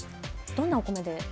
どんなお米で？